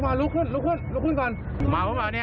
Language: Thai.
ลุกมาก่อนลุกมาก่อนลุกมาก่อน